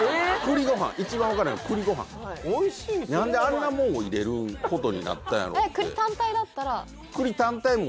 何であんなもんを入れることになったんやろうってそれやん！